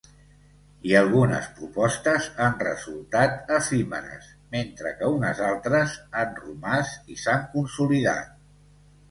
I algunes propostes han resultat efímeres, mentre que unes altres han romàs i s'han consolidat.